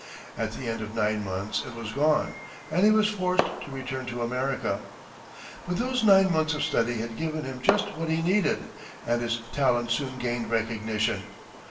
At the end of nine months it was gone, and he was forced to return to America. But those nine months of study had given him just what he needed, and his talent soon gained recognition.